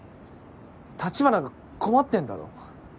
橘が困ってんだろ。